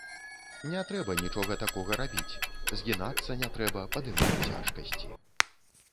Не трэба нічога такога рабіць, згінацца не трэба, падымаць цяжкасці.